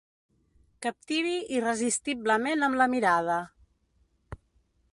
Captivi irresistiblement amb la mirada.